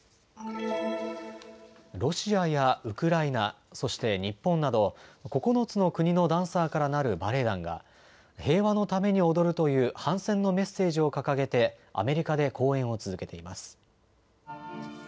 ロシアやウクライナ、そして日本など９つの国のダンサーからなるバレエ団が平和のために踊るという反戦のメッセージを掲げてアメリカで公演を続けています。